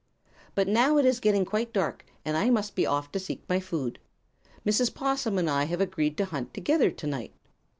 But now it is getting quite dark, and I must be off to seek my food. Mrs. 'Possum and I have agreed to hunt together, tonight."